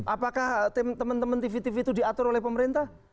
apakah teman teman tv tv itu diatur oleh pemerintah